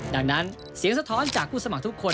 ดังนั้นเสียงสะท้อนจากผู้สมัครทุกคน